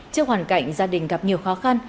trước hoàn cảnh gia đình gặp nhiều khó khăn